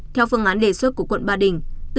theo phương án đề xuất của quận ba đình